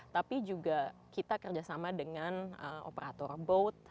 tapi juga kita kerjasama dengan operator boat